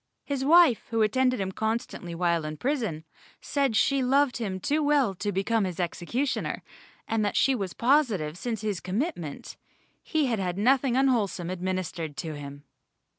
His wife, who attended him constantly while in prison, said she loved him too well to become his executioner, and that she was positive since his commitment, he had had nothing unwholesome administered to him.